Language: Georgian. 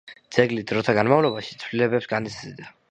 ძეგლი დროთა განმავლობაში ცვლილებებს განიცდიდა.